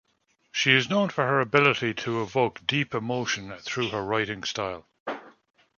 She is known for her ability to evoke deep emotion through her writing style.